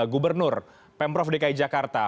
gubernur pemprov dki jakarta